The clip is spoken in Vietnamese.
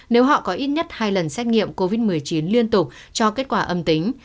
nếu họ có ít nhất hai lần xét nghiệm covid một mươi chín liên tục cho kết quả âm tính